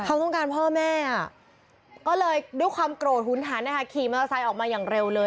เขาต้องการพ่อแม่ก็เลยด้วยความโกรธหุนหันนะคะขี่มอเตอร์ไซค์ออกมาอย่างเร็วเลย